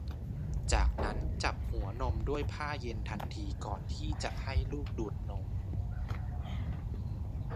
จากนั้นจับหัวนมด้วยผ้าเย็นทันทีก่อนที่จะให้ลูกดูดนม